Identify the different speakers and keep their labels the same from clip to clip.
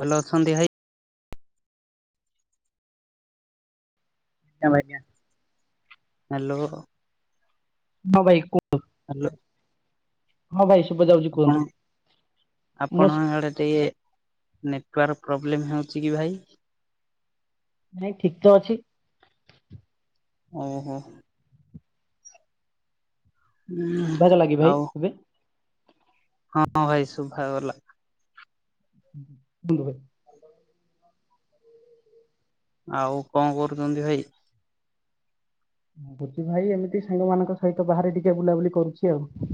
Speaker 1: ଭଲ ଅଛନ୍ତି ଭାଇ?
Speaker 2: ଏ ବଢିଆ।
Speaker 1: ହାଲୋ
Speaker 2: ହ ଭାଇ କୁଅନ୍ତୁ?
Speaker 1: ହାଲୋ
Speaker 2: ହଁ ଭାଇ ଶୁଭ ଯାଉଛି କୁହନ୍ତୁ। ମୋ
Speaker 1: ଆପଣଙ୍କ ଆଡେ ଟିକେ ନେଟୱାର୍କ ପ୍ରୋବ୍ଲେମ୍ ହେଉଛି କି ଭାଇ।
Speaker 2: ନାଇଁ ଠିକ ତ ଅଛି।
Speaker 1: ଓ ହୋ। ହୁଁ
Speaker 2: ଶୁଭା ଗଲକି ଭାଇ
Speaker 1: ଆଉ
Speaker 2: ଏବେ।
Speaker 1: ହଁ ଭାଇ ଶୁଭାଗଲା।
Speaker 2: [inaudible]
Speaker 1: ଆଉ କଣ କରୁଛନ୍ତି ଭାଇ।
Speaker 2: ଭୋଜି ଭାଇ ଏମିତି ସାଙ୍ଗମାନାନଙ୍କ ସହିତ ବାହାରେ ଟିକେ ବୁଲାବୁଲି କରୁଛି ଆଉ।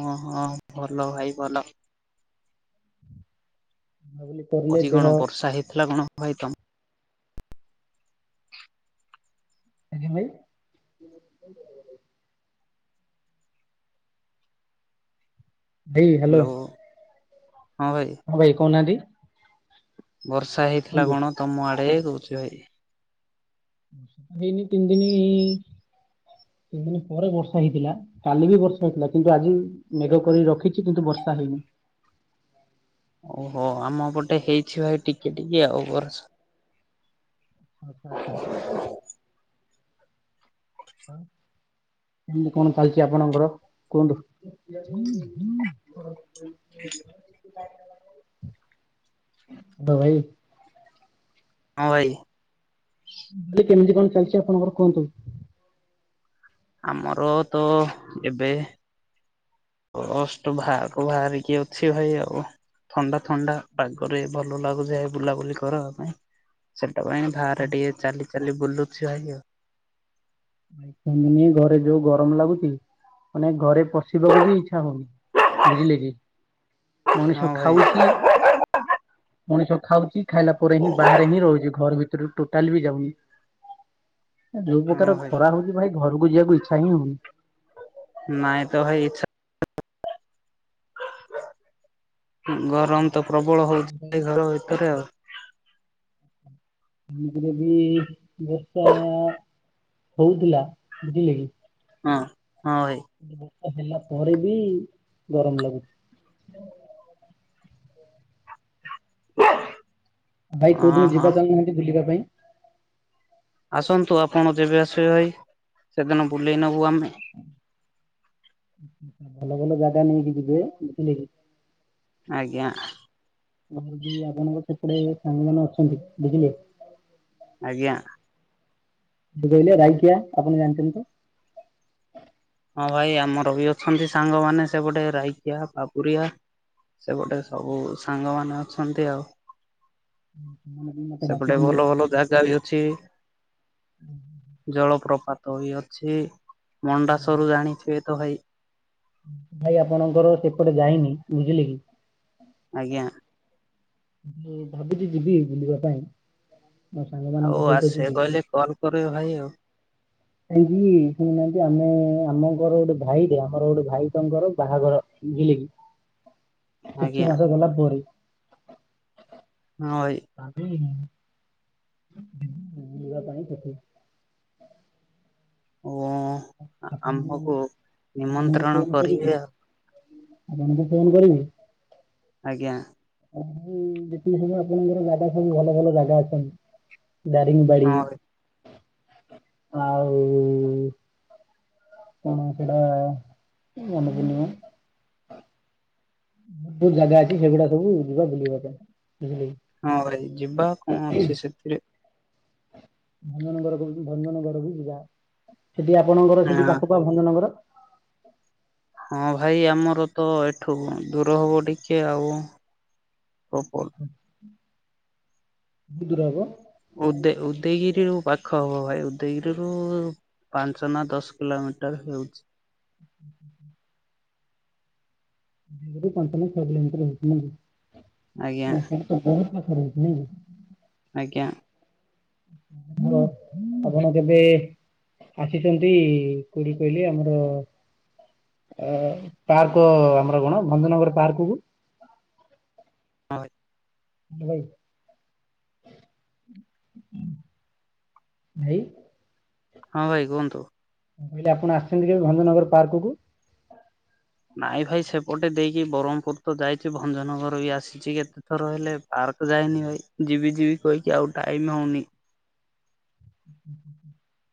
Speaker 1: ଓ ହଁ ଭଲ ଭାଇ ଭଲ।
Speaker 2: ବୁଲାବୁଲି କରିଲେ ଦେହ
Speaker 1: ପରିଗଣ ବର୍ଷା ହେଇଥିଲା କଣ ହ ଭାଇ ତମ।
Speaker 2: ଆଜ୍ଞା ଭାଇ। ଭାଇ ହ୍ୟାଲୋ।
Speaker 1: ଭାଇ
Speaker 2: ହଁ ଭାଇ କଉନାହାନ୍ତି।
Speaker 1: ବର୍ଷା ହେଇଥିଲା କଣ ତମ ଆଡେ କହୁଛି ଭାଇ।
Speaker 2: ହେଇନି ତିନି ଦିନ ତିନି ଦିନ ପରେ ବର୍ଷା ହେଇଥିଲା କାଲି ବି ବର୍ଷା ହେଇଥିଲା କିନ୍ତୁ ଆଜି ମେଘ କରି ରଖିଛି କିନ୍ତୁ ବର୍ଷା। ହେଇନି।
Speaker 1: ଓହୋ ଆମ ପଟେ ହେଇଛି ଭାଇ ଟିକେ ଟିକେ ଆଉରସ।
Speaker 2: ଆଛା ଆଛା। ହଁ। କେମତି କଣ ଚାଲିଛି ଆପଣଙ୍କର କୁହନ୍ତୁ। [inaudible] ଭାଇ।
Speaker 1: ହଁ ଭାଇ।
Speaker 2: ଏଠି କେମିତି କଣ ଚାଲିଛି ଆପଣଙ୍କର କୁହନ୍ତୁ?
Speaker 1: ଆମର ତ ଏବେ। [unintelligible] ବାହାରକୁ ବାହାରିକି ଅଛି ଭାଇ ଆଉ। ଥଣ୍ଡା ଥଣ୍ଡା ପାଗରେ ଭଲ ଲାଗୁଯାଏ, ବୁଲାବୁଲି କରବା ପାଇଁ ସେ ସେଥି ପାଇଁ ଭାଆରେ ଟିକେ ଚାଲି ଚାଲି ବୁଲୁଛି ଭାଇ ଆଉ।
Speaker 2: [unintelligible] ଘରେ ଯୋଉ ଗରମ ଲାଗୁଛି। ମାନେ ଘରେ ପଶିବାକୁ ବି ଇଚ୍ଛା ହଉନି ବୁଝିଲେ କି। ମଣିଷ
Speaker 1: ହଁ ଭାଇ
Speaker 2: ଖାଉଛି ମଣିଷ ଖାଉଛି ଖାଇଲା ପରେ ହିଁ ବାହାରେ ହିଁ ରହୁଛି ଘର ଭି [unintelligible] ଟୋଟାଲି ବି ଯାଉନି ଯୋଉ
Speaker 1: ହଁ
Speaker 2: ପ୍ରକାର
Speaker 1: ଭାଇ
Speaker 2: କହିଲି ଭାଇ ଘରକୁ ଯିବାକୁ ଇଚ୍ଛା ହିଁ ହଉନି।
Speaker 1: ନାଇଁ ତ ଭାଇ ଇଚ୍ଛା ଗରମ ତ ପ୍ରବଳ
Speaker 2: କାହିଁକି କହିଲେ
Speaker 1: ହଉଛି ଘର ଭିତରେ ଆଉ।
Speaker 2: [unintelligible] ବର୍ଷା ହଉଥିଲା ବୁଝିଲେ କି।
Speaker 1: ହଁ, ହଁ ଭାଇ
Speaker 2: ବର୍ଷା ହେଲା ପରେ ବି ଗରମ ଲାଗୁଛି।
Speaker 1: [inaudible]
Speaker 2: ଭାଇ କୋଉ
Speaker 1: ହଁ
Speaker 2: ଦିନ
Speaker 1: ହଁ।
Speaker 2: ଯିବା ଚାଲୁନାହାନ୍ତି ବୁଲିବା ପାଇଁ।
Speaker 1: ଆସନ୍ତୁ ଆପଣ ଯେବେ ଆସିବେ ଭାଇ ସେଦିନ ବୁଲେଇ ନବୁ ଆମେ ହଁ ଉଁ।
Speaker 2: ଭଲ ଭଲ ଜାଗା ନେଇକି ଯିବେ ବୁଝିଲେ କି।
Speaker 1: ଆଜ୍ଞା।
Speaker 2: ମୋର ବି ଆପଣଙ୍କ ସେପଟେ ସାଙ୍ଗ ମାନେ ଅଛନ୍ତି ବୁଝିଲେ।
Speaker 1: ଆଜ୍ଞା।
Speaker 2: [inaudible] ରାଇକିଆ ଆପଣ ଜାଣିଛନ୍ତି ତ।
Speaker 1: ହଁ ଭାଇ ଆମର ବି ଅଛନ୍ତି ସାଙ୍ଗମାନେ ସେପଟେ ରାଇକିଆ ବାବୁରିଆ। ସେପଟେ ସବୁ ସାଙ୍ଗମାନ ଅଛନ୍ତି ଆଉ।
Speaker 2: ସେମାନେ ବି ମୋତେ
Speaker 1: ସେପଟେ
Speaker 2: ଡାକିଥିଲେ
Speaker 1: ଭଲ ଭଲ ଜାଗା ବି ଅଛି। ଜଳପ୍ରପାତ ବି ଅଛି। ମଣ୍ଡାସରୁ
Speaker 2: [inaudible]
Speaker 1: ଜାଣିଥିବେ ତ ଭାଇ।
Speaker 2: ଭାଇ ଆପଣଙ୍କର ସେପଟେ ଯାଇନି ବୁଝିଲେ କି?
Speaker 1: ଆଜ୍ଞା।
Speaker 2: ଭାବୁଛି ଯିବି ବୁଲିବା ପାଇଁ। ମୋ ସାଙ୍ଗମାନଙ୍କ
Speaker 1: ଆଉ
Speaker 2: ସହିତ ଯିବି
Speaker 1: ଆସିବାକୁ ହେଲେ, କଲ୍ କରିବେ ଭାଇ ଆଉ।
Speaker 2: କାଇଁକି ନେବେ ଶୁଣୁନାହାନ୍ତି, ଆମେ ଆମଙ୍କର ଗୋଟେ ଭାଇଟେ ଆମର ଗୋଟେ ଭାଇ ତାଙ୍କର ବାହାଘର ବୁଝିଲେ କି?
Speaker 1: [inaudible] ଆଜ୍ଞା
Speaker 2: କିଛି ମାସ ଗଲା ପରେ
Speaker 1: ହଁ
Speaker 2: [unintelligible]
Speaker 1: ଭାଇ
Speaker 2: [unintelligible] ବୁଲିବା ପାଇଁ ସେଠି।
Speaker 1: ଓ
Speaker 2: ଆପଣଙ୍କୁ
Speaker 1: ଆମ୍ଭକୁ
Speaker 2: ଆପଣଙ୍କୁ
Speaker 1: ନିମନ୍ତ୍ରଣ
Speaker 2: ଫୋନ
Speaker 1: କରିବେ
Speaker 2: କରିବୁ।
Speaker 1: ଆଉ
Speaker 2: ଆପଣଙ୍କୁ ଫୋନ କରିବୁ।
Speaker 1: ଆଜ୍ଞା।
Speaker 2: ଆଉ ଯେତିକି ସବୁ ଆପଣଙ୍କର ଜାଗା ସବୁ ଭଲ ଭଲ ଜାଗା ଅଛନ୍ତି। ଦାରିଙ୍ଗ୍ ବାଡି,
Speaker 1: ହଁ ଭାଇ।
Speaker 2: ଆଉ କଣ ସେଟା ମନେ ପଡୁନି ମ ବହୁତ ଜାଗା ଅଛି ସେଗୁଡା ସବୁ ଯିବା ବୁଲିବା ପାଇଁ। ବୁଝିଲେ କି।
Speaker 1: ହଁ ଭାଇ ଯିବା କଣ ଅଛି ସେଥିରେ।
Speaker 2: ଭଞ୍ଜନଗର ଭଞ୍ଜନଗର ବି ଯ ଯାଅ, ସେଠି ଆପଣଙ୍କର
Speaker 1: ହଁ
Speaker 2: ସେଠି ପାଖକୁ ଭଞ୍ଜନଗର।
Speaker 1: ହଁ ଭାଇ ଆମର ତ ଏଠୁ ଦୂର ହବ ଟିକେ ଆଉ।
Speaker 2: ଅ
Speaker 1: ପ୍ରପର୍
Speaker 2: ହ। ବହୁ ଦୂର ହବ?
Speaker 1: ଉଦ ଉଦୟଗିରିରୁ ପାଖ ହବ ଭାଇ ଉଦୟଗିରିରୁ ପାଞ୍ଚ ନା ଦଶ କିଲୋମିଟର ହେଉଚି।
Speaker 2: ହ ହଁ ହୁଁ। ଉଦୟଗିରି ରୁ ପାଞ୍ଚ ନା ଛ କିଲୋମିଟର ହଉଚି
Speaker 1: ଆଜ୍ଞା
Speaker 2: ନେଇକି [unintelligible] [unintelligible] ନେଇକି?
Speaker 1: ଆଜ୍ଞା।
Speaker 2: ହ ଆପଣ କେବେ ଆସିଚନ୍ତି କୋଡି କହିଲେ ଆମର ଅ ପାର୍କ ଆମର କଣ ଭଞ୍ଜନଗର ପାର୍କକୁ?
Speaker 1: ହଁ ଭାଇ।
Speaker 2: ଭଲ ହେଇଚି? ଭାଇ
Speaker 1: ହଁ ଭାଇ କୁହନ୍ତୁ।
Speaker 2: କହିଲି ଆପଣ ଆସିଚନ୍ତି କେବେ ଭଞ୍ଜନଗର ପାର୍କକୁୁ?
Speaker 1: ନାଇଁ ଭାଇ ସେପଟେ ଦେଇକି ବ୍ରହ୍ମପୁର ତ ଯାଇଛି ଭଞ୍ଜନଗର ବି ଆଶିଚି କେତେ ଥର ହେଲେ ପାର୍କ ଯାଇନି ଭାଇ ଯିବି ଯିବି କହିକି ଆଉ ଟାଇମ ହଉନି।
Speaker 2: [inaudible]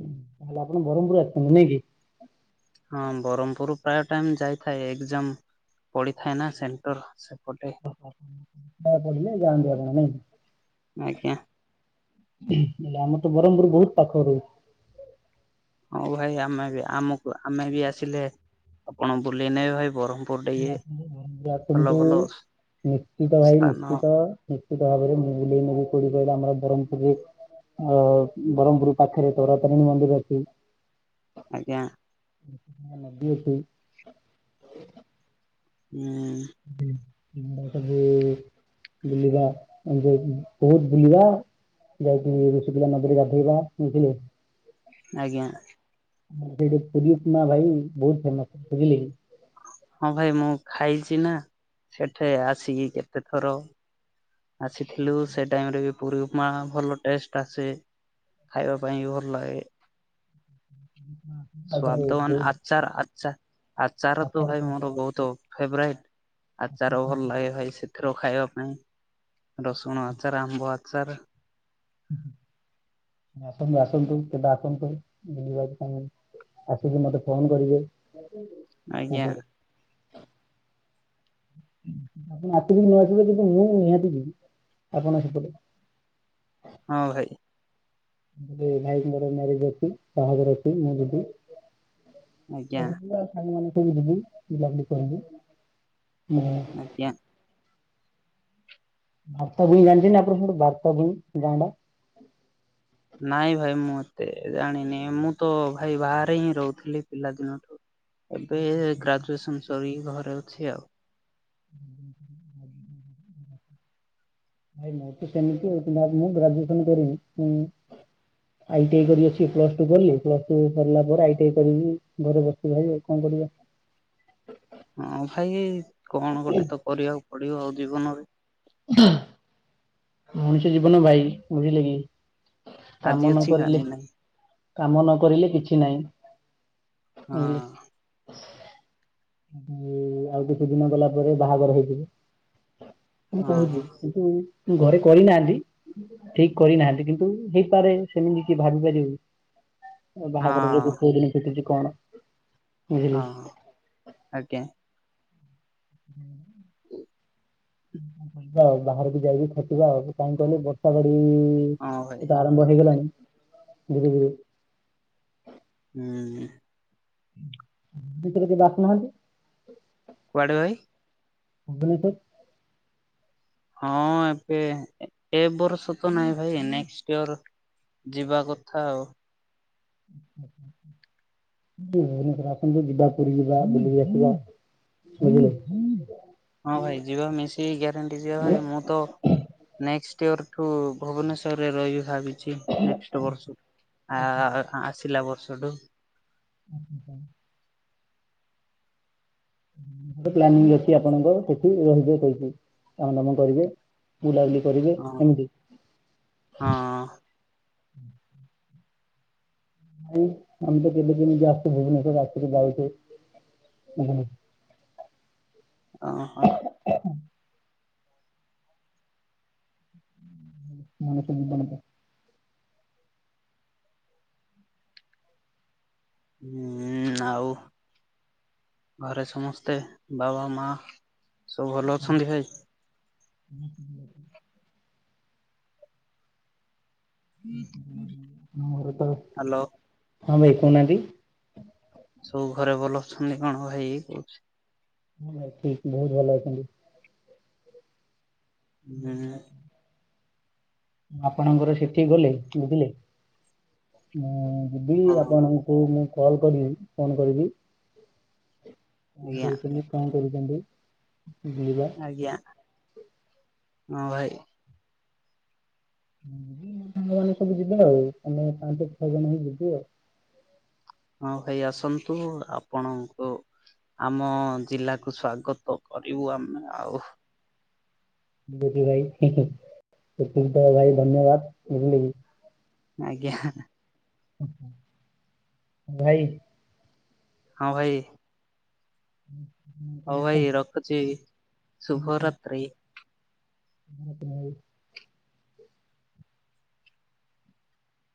Speaker 2: ତାହେଲେ ଆପଣ ବ୍ରହ୍ମପୁର ଆସିଚନ୍ତି ନାଇଁ କି?
Speaker 1: ହଁ ବ୍ରହ୍ମପୁର ପ୍ରାୟ ଟାଇମ ଯାଇଥାଏ, ଏକଜାମ ପଡିଥାଏ ନା ସେଣ୍ଟର। ସେପଟେ
Speaker 2: ଓ ଓ ହ [unintelligible] ଜାଆନ୍ତି ଆପଣ ନାଇ?
Speaker 1: ଆଜ୍ଞା
Speaker 2: ହେଲେ ଆମର ତ ବରମ୍ପୁର ବହୁତ ପାଖରୁ?
Speaker 1: ହଁ ଭାଇ ଆମେ ବି ଆମକୁ ଆମେ ବି ଆସିଲେ ଆପଣ ବୁଲେଇ ନେବେ ଭାଇ ବରହ୍ମପୁର।
Speaker 2: ଆସ ଘର ଆସନ୍ତୁ ନିଶ୍ଚିତ ଭାଇ
Speaker 1: ସ୍ଥାନ
Speaker 2: ନିଶ୍ଚିତ। ନିଶ୍ଚିତ ଭାବରେ ମୁ ବୁଲେଇ ନେବି, କଉଠି କହିଲ ଆମ ବ୍ରହ୍ମପୁରରେ ଅ ବ୍ରହ୍ମପୁର ପାଖରେ ତୋର ତାରିଣୀ ମନ୍ଦିର ଅଛି।
Speaker 1: ଆଜ୍ଞା।
Speaker 2: ନଦି ଅଠ [unintelligible]
Speaker 1: ହୁଁ
Speaker 2: ବୁଲିବା ବହୁତ ବୁଲିବା। ଯାଇକି ଋଷିକୂଲ୍ୟା ନଦୀରେ ଗାଧୋଇବା, ବୁଝିଲେ
Speaker 1: ଆଜ୍ଞା।
Speaker 2: ଆ ସେଇଠି ପୁରୀମା ଭାଇ ବହୁତ ଫେମସ ବୁଝିଲ [unintelligible]
Speaker 1: ହଁ ଭାଇ ମୁଁ ଖାଇଛି ନା ସେଠି ଆସିକି କେତେ ଥର ଆସିଥିଲୁ, ସେ ଟାଇମ ରେ ବି ପୁରୀ ଉପମା ଭଲ ଟେଷ୍ଟ ଆସେ ଖାଇବା ପାଇଁ ବି ଭଲ ଲାଗେ।
Speaker 2: ଆଉ ଥରେ
Speaker 1: ସ୍ୱାଦ ମାନେ
Speaker 2: ବହୁତ
Speaker 1: ଆଚାର। ଆଚାର ତ ଭାଇ ମୋର ବହୁତ ଫେବରାଇଟ ଆଚାର ଭଲ ଲାଗେ ଭାଇ ସେଥିର ଖାଇବା ପାଇଁ ରସୁଣ ଆଚାର, ଆମ୍ବ ଆଚାର
Speaker 2: ଆସନ୍ତୁ, ଆସନ୍ତୁ, କେବେ ଆସନ୍ତୁ, ବୁଲିବାପାଇଁ ଆସିକି ମତେ ଫୋନ କରିବେ
Speaker 1: ଆଜ୍ଞା। [inaudible]
Speaker 2: ଆପଣ ହାତକୁ ନଆସିଲେ କିନ୍ତୁ ମୁଁ ନିହାତି ଯିବି ଆପଣ ସେପଟେ।
Speaker 1: ହଁ ଭାଇ।
Speaker 2: ଏ ଲାଇ ମର ମ୍ୟାରଜ ଅଛି ସୋଦର ଅଛି ମୁ ଯିବି।
Speaker 1: ଆଜ୍ଞା
Speaker 2: ଖାଇବା ପିଇବା ସାଙ୍ଗମାନଙ୍କ ସହ ଯିବୁ ବୁଲା ବୁଲି କରିବୁ
Speaker 1: ଆଜ୍ଞା।
Speaker 2: ଭାରତ ଭୂଇଁ ଜାଣିଛନ୍ତି ଆପଣ ଭାରତା ଭୂଇଁ ଗାଁଟା। [unintelligible]
Speaker 1: ନାଇଁ ଭାଇ ମୁଁ ଏତେ ଜାଣିନି, ମୁଁ ତ ଭାଇ ବାହାରେ ହିଁ ରହୁଥିଲି ପିଲାଦିନଠୁ। ଏବେ ଗ୍ରାଜୁଏସନ ସରି ଘରେ ଅଛି ଆଉ।
Speaker 2: ହଁ [inaudible] ଭାଇ ମୁଁ ତ ସେମିତି ବାଦମେ ଗ୍ରାଜୁଏସନ କରିବି ତ। ଆଇଟି ଆଇ କରି ଅଛି ପ୍ଲସ ଟୁ କଲି ପ୍ଲସ ଟୁ ସରିଲା ପରେ ଆଇ ଟି ଆଇ କରି ଘରେ ବସିବି ଭାଇ କଣ କରିବି। ଆ। [unintelligible]
Speaker 1: ହଁ ଭାଇ କଣ ଗୋଟେ ତ କରିବାକୁ ପଡିବ, ଜୀବନରେ।
Speaker 2: ହଁ [unintelligible] ମଣିଷ ଜୀବନ ଭାଇ, ବୁଝିଲେ କି? କାମ
Speaker 1: ଆଜି
Speaker 2: ନ
Speaker 1: ଅଛି
Speaker 2: କରିଲେ
Speaker 1: କାଲି ନାହିଁ।
Speaker 2: କାମ ନ କରିଲେ କିଛି ନାହିଁ ବୁଝିଲ।
Speaker 1: ହଁ।
Speaker 2: ଆଉ ଆଉ କିଛି ଦିନ ଗଲା ପରେ ବାହାଘର ହେଇଯିବ। ମୁଁ
Speaker 1: ହଁ
Speaker 2: କହୁଛି କିନ୍ତୁ ଘରେ କରିନାହାନ୍ତି, ଠିକ୍ କରିନାହାନ୍ତି କିନ୍ତୁ ହେଇପାରେ ସେମିତି କିଏ ଭାବିପାରିବ। ବାହାଘର ଯୋଗ
Speaker 1: ହଁ
Speaker 2: କୋଉ ଦିନ ଫିଟୁଚି କଣ ବୁଝିଲେ
Speaker 1: ହଁ ହ ଆଜ୍ଞା।
Speaker 2: ହୁଁ। [inaudible]
Speaker 1: ଉ। [inaudible]
Speaker 2: ପୁଣି ତ ବାହାରକୁ ଯାଇକି ଖଟିବା କାହିଁ କହିଲୁ ବର୍ଷା ଘଡ଼ି
Speaker 1: ହଁ ଭାଇ
Speaker 2: ଏଇତ ଆରମ୍ଭ ହେଇଗଲାଣି, ଧୀରେ, ଧୀରେ।
Speaker 1: ଉଁ ଉଁ।
Speaker 2: ଭିତରଦ ବାସନାହଛି [unintelligible]
Speaker 1: କୁଆଡ଼େ ଭାଇ?
Speaker 2: ଅବଲେ ତ। [unintelligible]
Speaker 1: ହଁ ଏବେ, ଏ ବର୍ଷ ତ ନାଇଁ ଭାଇ, ନେଷ୍ଟ ଇୟର ଯିବା କଥା ଆଉ।
Speaker 2: [inaudible] ଆପଣ ତ ଯିବା ପୁରୀ ଯିବା ବୁଲିକି ଆସିବା [unintelligible]
Speaker 1: ହଁ ଭାଇ ଯିବା ମିଶିକି ଗ୍ୟାରେଣ୍ଟି ଯିବା ଭାଇ ମୁଁ ତ ନେକ୍ସ୍ ୟରଠୁ ଭୁବନେଶ୍ୱରରେ ରହିବି ଭାବି ନେଷ୍ଟ ବର୍ଷ ଆ ଆସିଲା ବର୍ଷଠୁ
Speaker 2: ଆ [unintelligible] ପ୍ଲାନିଂ ରଖି ଆପଣଙ୍କ ସେଠି ରହିବେ କହିଠି କାମ ଦାମ କରିବେ। ବୁଲାବୁଲି କରିବେ
Speaker 1: ହଁ
Speaker 2: ଏମିତି।
Speaker 1: ହଁ
Speaker 2: ନାଇଁ ଆମ ତ ବୁଲି ବୁଲି କଯସ୍ତ ଭୁବନେଶ୍୍ୱର ଆସି ଯାଉଛୁ। ହୁ ହୁଁ।
Speaker 1: ଅ ହଁ।
Speaker 2: ନଣକ ବଣକ [unintelligible]
Speaker 1: ହୁଁ ଆଉ ଘରେ ସମସ୍ତେ ବାବା ମା ସବୁ ଭଲ ଅଛନ୍ତି ଭାଇ?
Speaker 2: ହଁ ହୁ। ମୋର ତ
Speaker 1: ହ୍ୟାଲୋ
Speaker 2: ହଁ ଭାଇ କହୁନାହାନ୍ତି।
Speaker 1: ସବୁ ଘରେ ଭଲ ଅଛନ୍ତି କଣ ଭାଇ କହୁଛି।
Speaker 2: ହଁ ଠିକ ବହୁତ ଭଲ ଅଛନ୍ତି। ହୁଁ [unintelligible] ଆପଣଙ୍କର ସେଠି ଗଲେ ବୁଝିଲେ ଉଁ ଯିବି
Speaker 1: ହଁ
Speaker 2: ଆପଣଙ୍କୁ ମୁଁ କଲ୍ କରିବି ଫୋନ୍ କରିବି।
Speaker 1: ଆଜ୍ଞା
Speaker 2: ରହୁି କଣ କରୁଛନ୍ତି।
Speaker 1: ଆଜ୍ଞା
Speaker 2: [unintelligible]
Speaker 1: ହଁ ଭାଇ।
Speaker 2: ମାନ ସବୁ ଯିବେ ଆଉ ମାନେ ପାଞ୍ଚ ଛଅ ଜଣ ହଇ ଯିବି ଆଉ।
Speaker 1: ହଁ ଭାଇ ଆସନ୍ତୁ ଆପଣଙ୍କୁ ଆମ ଜିଲ୍ଲାକୁ ସ୍ଵାଗତ କରିବୁ। ଆମେ ଆଉ।
Speaker 2: ଭାଇ ଭାଇ ଧନ୍ୟବାଦ ବୁଝିଲେ କି
Speaker 1: ଆଜ୍ଞା।
Speaker 2: ଭାଇ
Speaker 1: ହଁ ଭାଇ।
Speaker 2: ହୁଁ।
Speaker 1: ହଉ ଭାଇ ରଖୁଛି ଶୁଭରାତ୍ରି।
Speaker 2: [unintelligible]